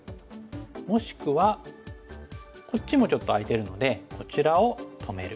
もしくはこっちもちょっと空いてるのでこちらを止める。